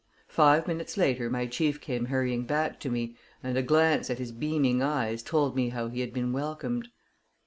Five minutes later my chief came hurrying back to me, and a glance at his beaming eyes told me how he had been welcomed.